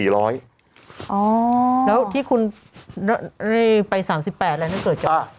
แล้วที่คุณไป๓๘อะไรนะเกิดจาก